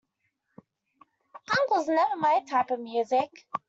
Punk was never my type of music.